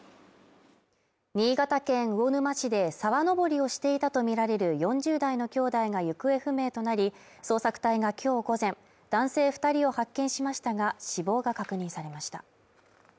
新潟県魚沼市で沢登りをしていたとみられる４０代の兄弟が行方不明となり捜索隊がきょう午前男性二人を発見しましたが死亡が確認されました